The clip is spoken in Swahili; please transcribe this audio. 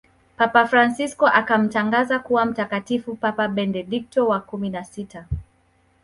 papa fransisko akamtangaza kuwa mtakatifu papa benedikto wa kumi na sita